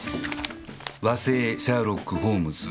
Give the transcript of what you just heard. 「和製シャーロック・ホームズ」